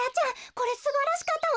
これすばらしかったわ！